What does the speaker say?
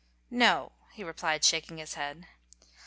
"No," he replied, shaking his head.